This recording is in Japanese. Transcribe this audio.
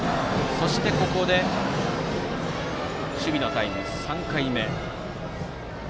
ここで守備のタイム、３回目。